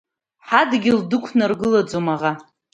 Ҳадгьыл дықәнаргылаӡом аӷа.